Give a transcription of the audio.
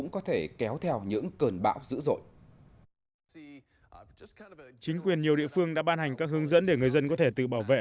chính quyền nhiều địa phương đã ban hành các hướng dẫn để người dân có thể tự bảo vệ